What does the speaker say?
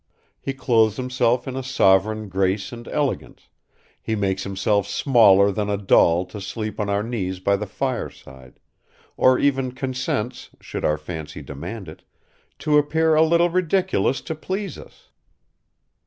He clothes himself in a sovereign grace and elegance, he makes himself smaller than a doll to sleep on our knees by the fireside, or even consents, should our fancy demand it, to appear a little ridiculous to please us.